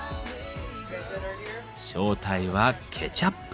正体はケチャップ。